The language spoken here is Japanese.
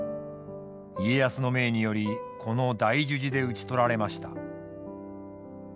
家康の命によりこの大樹寺で討ち取られました。